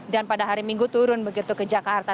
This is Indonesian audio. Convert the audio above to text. dan pada hari minggu turun begitu ke jakarta